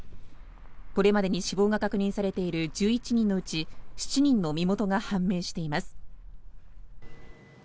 これまでに死亡が確認されている１１人のうち７人の身元が判明しています。